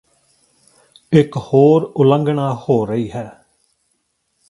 ਇਕ ਹੋਰ ਉਲੰਘਣਾ ਹੋ ਰਹੀ ਹੈ